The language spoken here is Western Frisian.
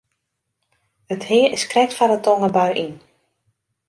It hea is krekt foar de tongerbui yn.